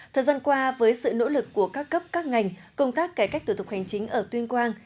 thời gian qua với sự nỗ lực của các cấp các ngành công tác cải cách thủ tục hành chính ở tuyên quang